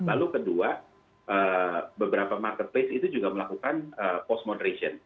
lalu kedua beberapa marketplace itu juga melakukan post moderation